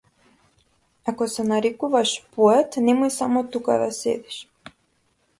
Ако се нарекуваш поет, немој само тука да седиш.